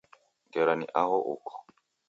Ngera ni aho uko